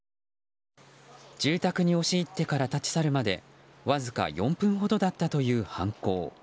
住宅に押し入ってから立ち去るまでわずか４分ほどだったという犯行。